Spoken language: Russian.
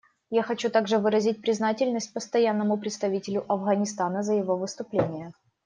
Я хочу также выразить признательность Постоянному представителю Афганистана за его выступление.